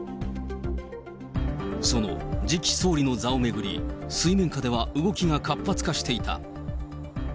その次期総理の座を巡り、水面下では動きが活発化していた。